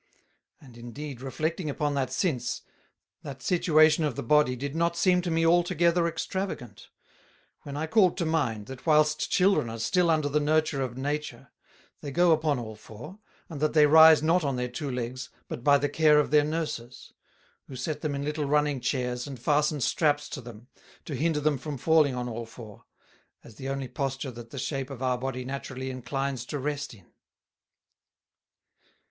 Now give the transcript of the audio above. And, indeed, reflecting upon that since, that scituation of Body did not seem to me altogether extravagant; when I called to mind, that whilst Children are still under the nurture of Nature, they go upon all four, and that they rise not on their two Legs but by the care of their Nurses; who set them in little running Chairs, and fasten straps to them, to hinder them from falling on all four, as the only posture that the shape of our Body naturally inclines to rest in.